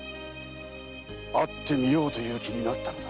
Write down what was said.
会ってみようという気になったのだ。